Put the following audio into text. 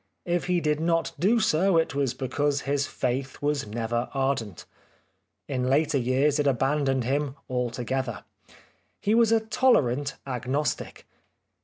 If he did not do so it was because his faith was never ai dent. In later years it abandoned him altogether. He was a tolerant Agnostic.